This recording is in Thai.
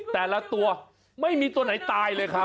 แต่ละตัวไม่มีตัวไหนตายเลยครับ